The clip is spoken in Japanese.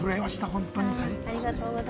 本当に最高です。